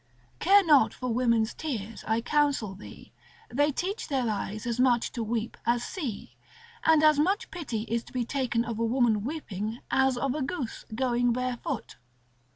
Care not for women's tears, I counsel thee, They teach their eyes as much to weep as see. And as much pity is to be taken of a woman weeping, as of a goose going barefoot.